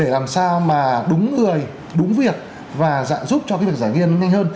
làm sao mà đúng người đúng việc và giúp cho cái việc giải nghiên nhanh hơn